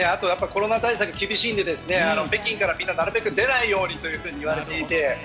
コロナ対策厳しいので北京からみんななるべく出ないように言われていて。